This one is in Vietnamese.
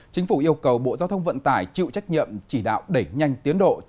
chính phủ yêu cầu bộ giao thông vận tải chịu trách nhiệm chỉ đạo đẩy nhanh tiến độ